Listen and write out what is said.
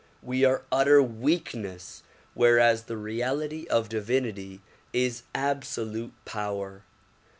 We are utter weakness whereas the reality of divinity is absolute power.